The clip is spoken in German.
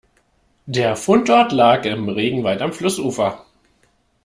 Der Fundort lag im Regenwald am Flussufer.